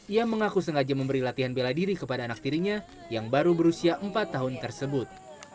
ia mengaku sengaja memberi latihan bela diri kepada anak tirinya yang baru berusia empat tahun tersebut